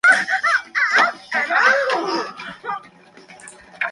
Las casas se construyen mediante zócalos de piedra y paredes de adobe.